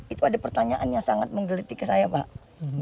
itu ada pertanyaan yang sangat menggeliti ke saya pak